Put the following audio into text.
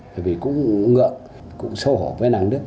vì cũng ngựa cũng xấu hổ với nàng đức